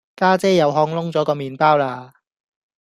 家姐又炕燶左個麵包啦